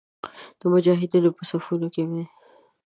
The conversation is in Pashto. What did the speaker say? د مجاهدینو په صفونو کې مې.